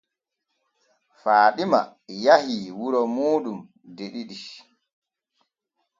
Faaɗima yahii wuro muuɗum de ɗiɗi.